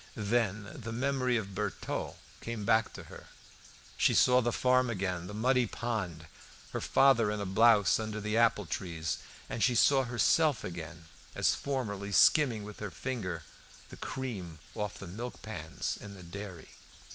Then the memory of the Bertaux came back to her. She saw the farm again, the muddy pond, her father in a blouse under the apple trees, and she saw herself again as formerly, skimming with her finger the cream off the milk pans in the dairy.